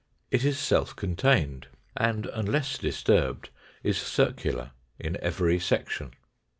It is self contained and, unless disturbed, is circular in every section.